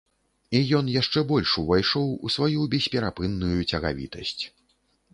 І ён яшчэ больш увайшоў у сваю бесперапынную цягавітасць.